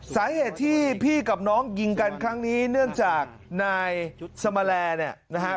สาเหตุที่พี่กับน้องยิงกันครั้งนี้เนื่องจากนายสมแลเนี่ยนะครับ